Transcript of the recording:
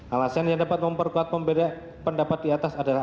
alasan yang dapat memperkuat pembeda pendapat di atas adalah